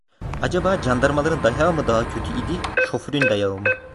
Acaba candarmaların dayağı mı daha kötü idi, şoförün dayağı mı?